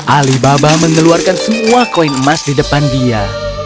alibaba mengeluarkan semua koin emas di depan dia